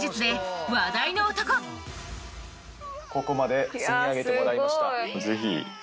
ここまで積み上げてもらいました。